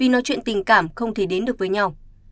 nói chuyện tình cảm không thể đến được với nhau